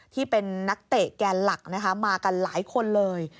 ที่เป็นนักเตะแกนหลักนะคะมากันหลายคนเลย